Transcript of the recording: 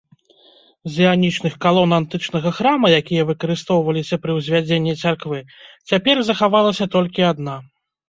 З іанічных калон антычнага храма, якія выкарыстоўваліся пры ўзвядзенні царквы, цяпер захавалася толькі адна.